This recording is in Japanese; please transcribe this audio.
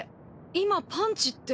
今「パンチ」って。